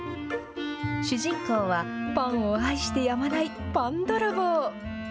主人公はパンを愛してやまないパンどろぼう。